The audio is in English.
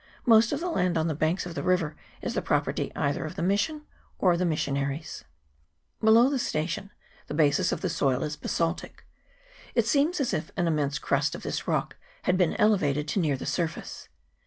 Most of the land on the banks of the river is the property either of the mission or the missionaries. Below the station the basis of the soil is basaltic. It seems as if an immense crust of this rock had been elevated to near the surface.